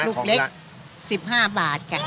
ลูกเล็ก๑๕บาทค่ะ